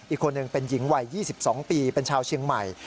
อีกคนหนึ่งเป็นหญิงวัย๒๒ปีเป็นชาวเชียงใหม่